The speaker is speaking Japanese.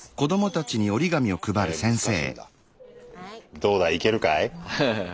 どうだいけるかい？